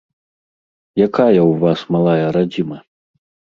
Якая ў вас малая радзіма?